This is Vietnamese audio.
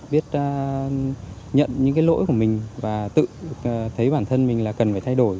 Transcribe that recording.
biết nhận những cái lỗi của mình và tự thấy bản thân mình là cần phải thay đổi